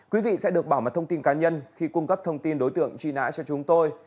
quý vị sẽ được bảo mật thông tin cá nhân khi cung cấp thông tin đối tượng truy nã cho chúng tôi